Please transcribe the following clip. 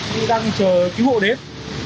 đi đang chờ cứu hộ đến